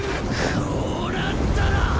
こうなったら！